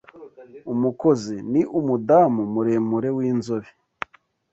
Umukozi – “Ni umudamu muremure w’inzobe